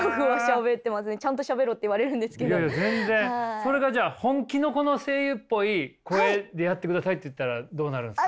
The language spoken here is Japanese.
それがじゃあ本気のこの声優っぽい声でやってくださいって言ったらどうなるんですか？